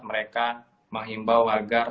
mereka menghimbau agar